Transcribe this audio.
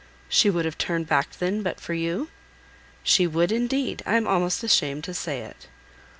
"She would have turned back then, but for you?" "She would indeed. I am almost ashamed to say it."